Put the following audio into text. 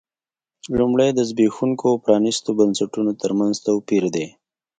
لومړی د زبېښونکو او پرانیستو بنسټونو ترمنځ توپیر دی.